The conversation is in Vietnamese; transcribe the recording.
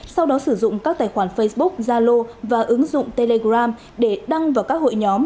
sau đó sử dụng các tài khoản facebook zalo và ứng dụng telegram để đăng vào các hội nhóm